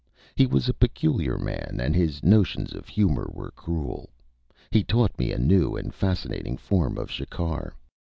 He was a peculiar man, and his notions of humor were cruel. He taught me a new and fascinating form of shikar.